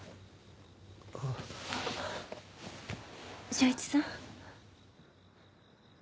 昇一さん？